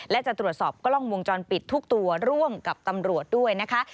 และจะตรวจสอบกล้องวงจรปิดทุกตัวร่วมกับตำรวจด้วยนะคะ